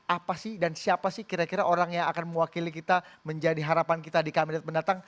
apa sih dan siapa sih kira kira orang yang akan mewakili kita menjadi harapan kita di kabinet mendatang